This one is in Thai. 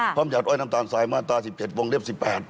หยัดอ้อยน้ำตาลทรายมาตรา๑๗วงเล็บ๑๘